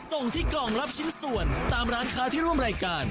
ส่งที่กล่องรับชิ้นส่วนตามร้านค้าที่ร่วมรายการ